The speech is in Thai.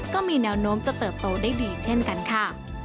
ก็มีแนวโน้มจะเติบโตได้ดีเช่นกันค่ะ